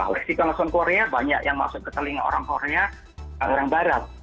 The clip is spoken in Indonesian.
lexicon leson korea banyak yang masuk ke telinga orang korea orang barat